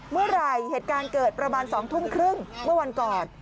เมื่อไหร่เหตุการณ์เกิดประมาณ๒ทุ่มครึ่งเมื่อวันก่อน